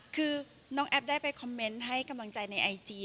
คือน้องแอปได้ไปคอมเมนต์ให้กำลังใจในไอจี